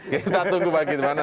kita tunggu bagaimana